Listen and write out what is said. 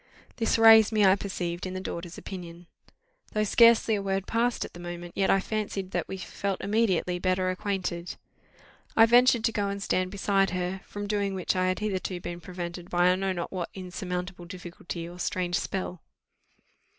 This raised me, I perceived, in the daughter's opinion. Though scarcely a word passed at the moment, yet I fancied that we felt immediately better acquainted. I ventured to go and stand beside her, from doing which I had hitherto been prevented by I know not what insurmountable difficulty or strange spell.